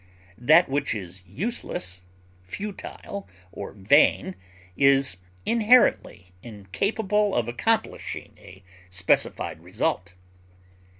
That which is useless, futile, or vain is inherently incapable of accomplishing a specified result.